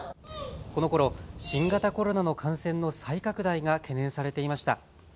このころ新型コロナの感染の再拡大が懸念されていました。